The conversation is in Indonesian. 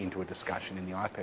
jadi itu satu kesempatan